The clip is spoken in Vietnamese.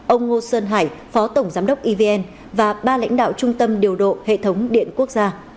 ông ngô sơn hải phó tổng giám đốc evn và ba lãnh đạo trung tâm điều độ hệ thống điện quốc gia